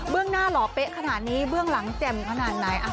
เรื่องหน้าหล่อเป๊ะขนาดนี้เบื้องหลังแจ่มขนาดไหน